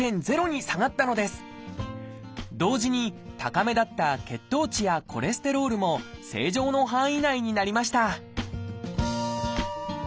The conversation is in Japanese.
同時に高めだった血糖値やコレステロールも正常の範囲内になりました